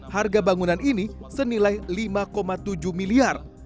harga bangunan ini senilai lima tujuh miliar